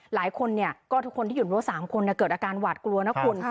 หลายคนเนี่ยก็ทุกคนที่อยู่ในรถ๓คนเกิดอาการหวาดกลัวนะคุณ